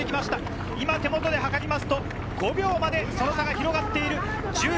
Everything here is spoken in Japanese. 今、手元で測ると５秒まで差が広がっている。